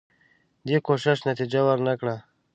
دې کوښښ نتیجه ورنه کړه.